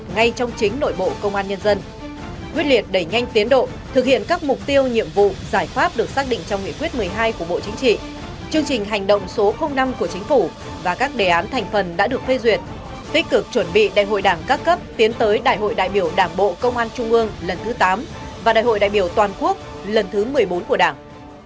ngay trong chính nội bộ công an nhân dân quyết liệt đẩy nhanh tiến độ thực hiện các mục tiêu nhiệm vụ giải pháp được xác định trong nghị quyết một mươi hai của bộ chính trị chương trình hành động số năm của chính phủ và các đề án thành phần đã được phê duyệt tích cực chuẩn bị đại hội đảng các cấp tiến tới đại hội đại biểu đảng bộ công an trung ương lần thứ tám và đại hội đại biểu toàn quốc lần thứ một mươi bốn của đảng